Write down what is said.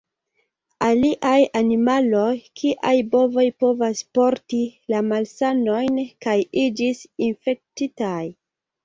Aliaj animaloj kiaj bovoj povas porti la malsanojn kaj iĝis infektitaj.